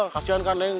kasian kan neng